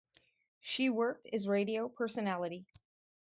She worked as radio personality.